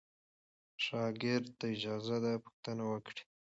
شاګرد ته اجازه ده پوښتنه وکړي.